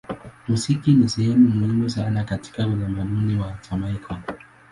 Muziki ni sehemu muhimu sana katika utamaduni wa Jamaika.